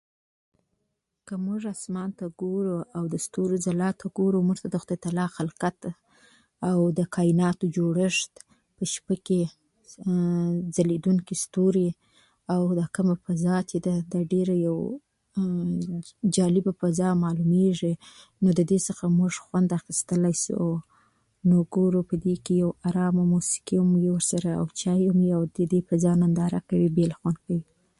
په پسرلي کې ټوله ځمکه زرغونه وي